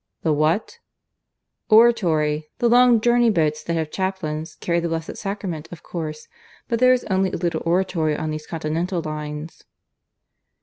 "The what?" "Oratory. The long journey boats, that have chaplains, carry the Blessed Sacrament, of course; but there is only a little oratory on these continental lines."